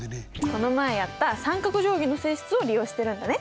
この前やった三角定規の性質を利用してるんだね。